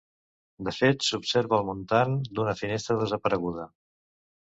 De fet s'observa el muntant d'una finestra desapareguda.